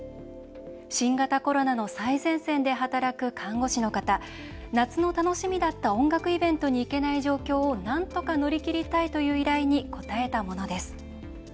新型コロナの最前線で働く看護師の方、夏の楽しみだった音楽イベントに行けない状況をなんとか乗り切りたいという依頼に応えたものです。